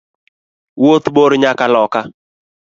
Wuoth bor nyaka loka.